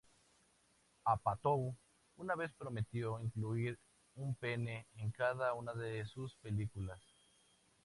Apatow una vez prometió incluir un pene en cada una de sus películas.